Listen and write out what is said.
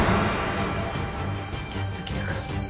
やっと来たか。